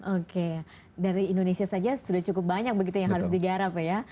oke dari indonesia saja sudah cukup banyak begitu yang harus digarap ya